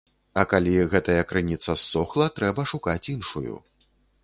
А калі гэтая крыніца ссохла, трэба шукаць іншую.